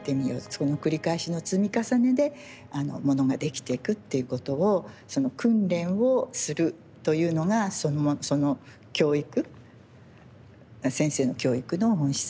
その繰り返しの積み重ねでものが出来ていくっていうことをその訓練をするというのがその教育先生の教育の本質だったんじゃないかなと思ってます。